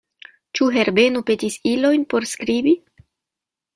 Ĉu Herbeno petis ilojn por skribi?